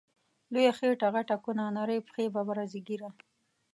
لويه خيټه غټه کونه، نرۍ پښی ببره ږيره